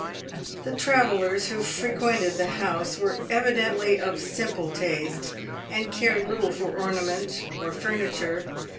The " travellers" who frequented the house were evidently of simple taste, and cared little for ornament or furniture.